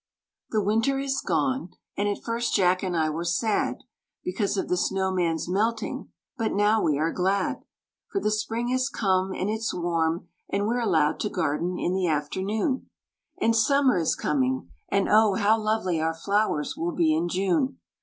The winter is gone; and at first Jack and I were sad, Because of the snow man's melting, but now we are glad; For the spring has come, and it's warm, and we're allowed to garden in the afternoon; And summer is coming, and oh, how lovely our flowers will be in June!